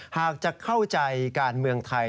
หากจะเข้าใจการเมืองไทย